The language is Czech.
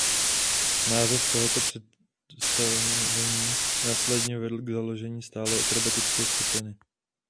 Název tohoto představení následně vedl k založení stálé akrobatické skupiny.